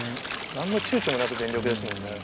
何のちゅうちょもなく全力ですもんね。